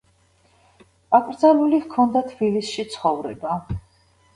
აკრძალული ჰქონდა თბილისში ცხოვრება.